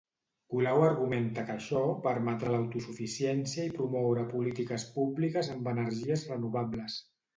Colau argumenta que això permetrà l'autosuficiència i promoure polítiques públiques amb energies renovables.